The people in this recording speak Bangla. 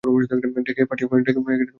ডেকে পাঠিয়ো আমাকে।